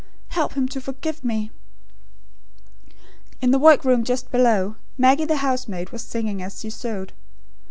... help him to forgive me!" In the work room just below, Maggie the housemaid was singing as she sewed.